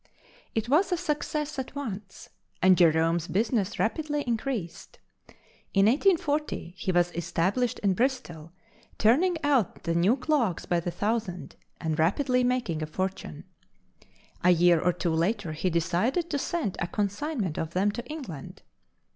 It was a success at once and Jerome's business rapidly increased. In 1840, he was established in Bristol, turning out the new clocks by the thousand, and rapidly making a fortune. A year or two later, he decided to send a consignment of them to England.